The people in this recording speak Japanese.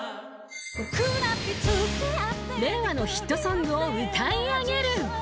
［令和のヒットソングを歌い上げる］